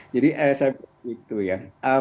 jadi saya begitu ya